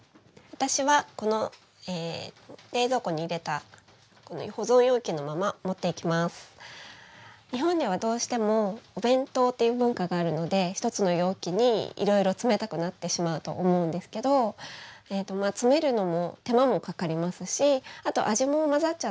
私はこの冷蔵庫に入れた日本ではどうしてもお弁当っていう文化があるので一つの容器にいろいろ詰めたくなってしまうと思うんですけど次はフレンチポテトサラダ。